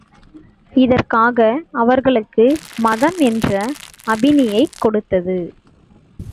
இதற்காக அவர்களுக்கு மதம் என்ற அபினியைக் கொடுத்தது.